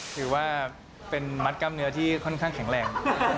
ถือว่าเป็นมัดกล้ามเนื้อที่ค่อนข้างแข็งแรง